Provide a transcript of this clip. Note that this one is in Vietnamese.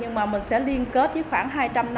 nhưng mà mình sẽ liên kết với khoảng hai trăm linh năm hộ